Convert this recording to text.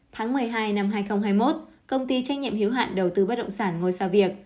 tháng một mươi hai năm hai nghìn hai mươi một công ty trách nhiệm hiếu hạn đầu tư bất động sản ngồi xa việc